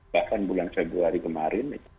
bahkan bulan februari kemarin